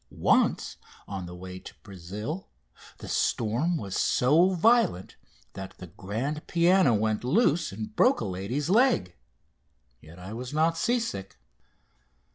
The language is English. Once, on the way to Brazil, the storm was so violent that the grand piano went loose and broke a lady's leg, yet I was not sea sick.